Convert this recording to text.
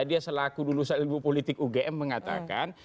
dia selaku dulu saat ilmu politik ugm mengatakan